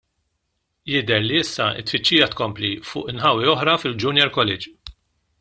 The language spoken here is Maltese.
Jidher li issa t-tfittxija tkompli fuq inħawi oħra fil-Junior College.